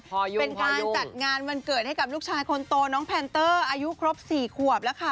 เป็นการจัดงานวันเกิดให้กับลูกชายคนโตน้องแพนเตอร์อายุครบ๔ขวบแล้วค่ะ